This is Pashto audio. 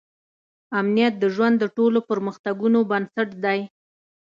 امنیت د ژوند د ټولو پرمختګونو بنسټ دی.